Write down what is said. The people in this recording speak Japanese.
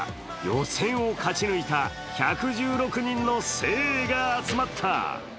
予選を勝ち抜いた１１６人の精鋭が集まった。